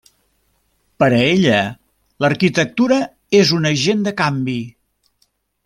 Para ella, l'arquitectura és un agent de canvi.